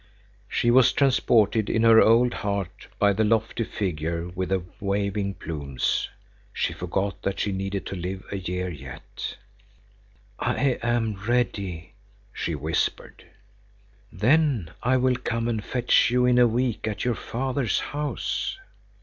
She was transported in her old heart by the lofty figure with the waving plumes. She forgot that she needed to live a year yet. "I am ready," she whispered. "Then I will come and fetch you in a week at your father's house."